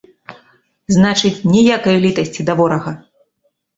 Значыць, ніякай літасці да ворага!